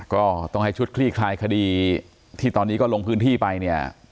ก็ต้องให้ชุดคลี่คลายคดีที่ตอนนี้ก็ลงพื้นที่ไปเนี่ย